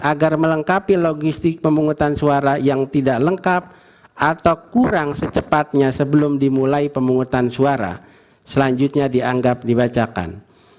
agar melengkapi logistik pemungutan suara yang diatur dalam ketentuan perundang undangan yaitu pukul tujuh